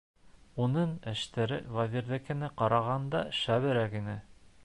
Уның эштәре Вәзирҙекенә ҡарағанда шәберәк ине.